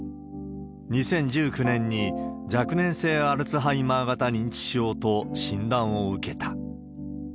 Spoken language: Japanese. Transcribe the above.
２０１９年に、若年性アルツハイマー型認知症と診断を受けた。